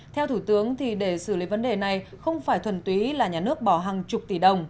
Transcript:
theo thủ tướng để xử lý vấn đề này không phải thuần túy là nhà nước bỏ hàng chục tỷ đồng